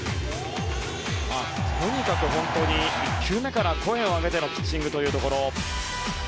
とにかく本当に１球めから声を上げてのピッチングというところ。